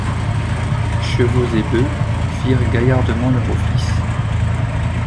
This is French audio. Chevaux et bœufs firent gaillardement leur office.